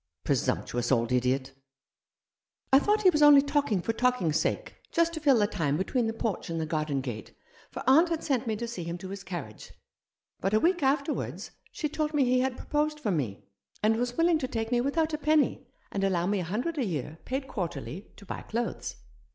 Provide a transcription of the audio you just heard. " Presumptuous old idiot !" I thought he was only talking for talking' s sake — just to fill the time between the porch and the garden gate, for aunt had sent me to see him to his carriage ; but a week afterwards she told me he had proposed for me, and was willing to take me without a penny, and allow me a hundred a year, paid quarterly, to buy clothes.